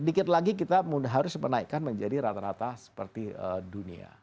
sedikit lagi kita harus menaikkan menjadi rata rata seperti dunia